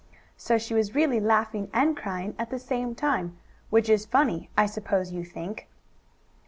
So she was really laughing and crying at the same time, which is funny, I suppose you think.